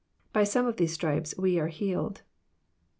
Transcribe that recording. By some of these stripes we are healed."